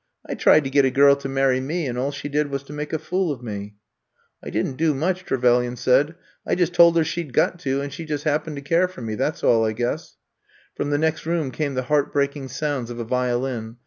I tried to get a girl to marry me and all she did was to make a fool of me." I didn't do much," Trevelyan said. I just told her she 'd got to, and she just happened to care for me — that 's all, I guess. '' From the next room came the heart breaking sounds of a violin.